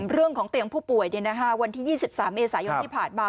เรื่องของเตียงผู้ป่วยเนี่ยนะฮะวันที่๒๓เอสายนที่ผ่านมา